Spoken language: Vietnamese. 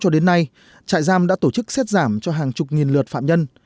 từ năm hai nghìn một mươi sáu cho đến nay trại giam đã tổ chức xét giảm cho hàng chục nghìn lượt phạm nhân